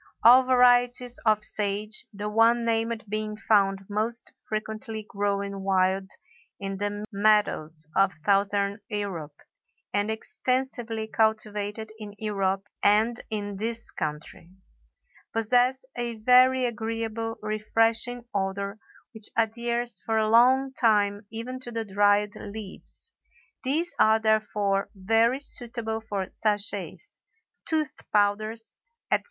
All varieties of sage, the one named being found most frequently growing wild in the meadows of Southern Europe, and extensively cultivated in Europe and in this country, possess a very agreeable, refreshing odor which adheres for a long time even to the dried leaves; these are therefore very suitable for sachets, tooth powders, etc.